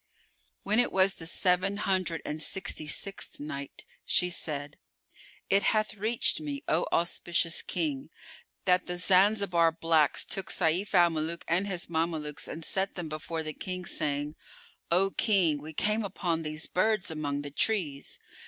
When it was the Seven Hundred and Sixty sixth Night, She said, It hath reached me, O auspicious King, that the Zanzibar blacks took Sayf al Muluk and his Mamelukes and set them before the King, saying, "O King, we came upon these birds among the trees."